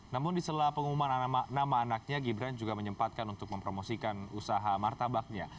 namun di sela pengumuman nama anaknya gibran juga menyempatkan untuk mempromosikan usaha martabaknya